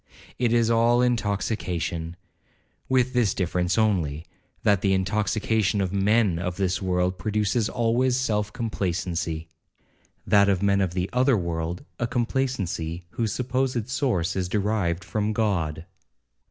It is all intoxication, with this difference only, that the intoxication of men of this world produces always self complacency—that of men of the other world, a complacency whose supposed source is derived from God.